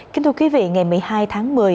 kính thưa quý vị ngày một mươi hai tháng một mươi